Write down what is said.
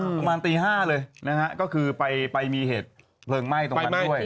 ประมาณตี๕เลยนะฮะก็คือไปมีเหตุเพลิงไหม้ตรงนั้นด้วย